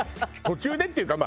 途中でっていうか